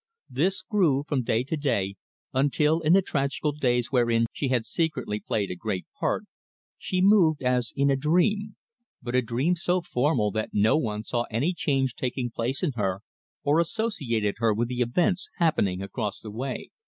This grew from day to day, until, in the tragical days wherein she had secretly played a great part, she moved as in a dream, but a dream so formal that no one saw any change taking place in her, or associated her with the events happening across the way.